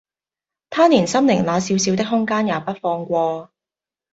他連心靈那小小的空間也不放過